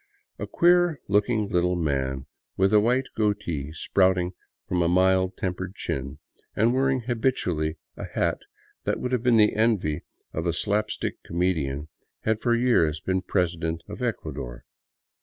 A queer looking little man, with a white goatee sprouting from a mild tempered chin, and wearing habitually a hat that would have been the envy of a slap stick comedian, had for years been president of Ecua dor.